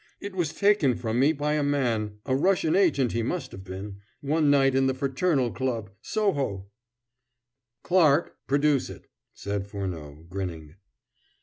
It was taken from me by a man a Russian agent he must have been one night in the Fraternal Club, Soho " "Clarke, produce it," said Furneaux, grinning.